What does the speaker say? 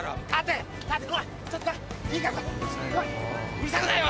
うるさくないよ！